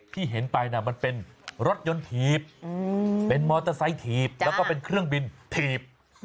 ที่เห็นไปนะมันเป็นรถยนต์ถีบเป็นมอเตอร์ไซค์ถีบแล้วก็เป็นเครื่องบินถีบ